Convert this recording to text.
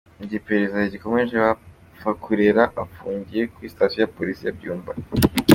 Mu gihe iperereza rigikomeje, Bapfakurera afungiye kuri sitasiyo ya Polisi ya Byumba.